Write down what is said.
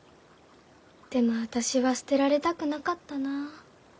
でも私は捨てられたくなかったな。